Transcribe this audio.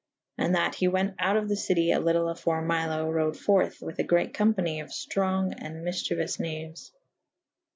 And that he went out of the city a lytle afore Milo rode furthe with a greate company of ftronge [E iiii a] and myfcheuous knaves.